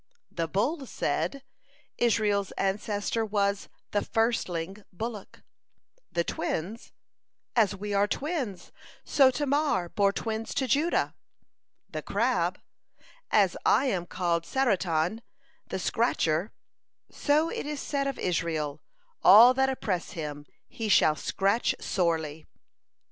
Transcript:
The Bull said: "Israel's ancestor was 'the firstling bullock.'" The Twins: "As we are twins, so Tamar bore twins to Judah." The Crab: "As I am called Saratan, the scratcher, so it is said of Israel, 'All that oppress him, he shall scratch sorely.'"